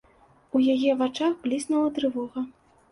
У яе вачах бліснула трывога.